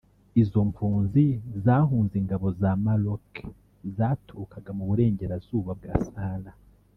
Izo mpunzi zahunze ingabo za Maroc zaturukaga mu burengerazuba bwa Sahara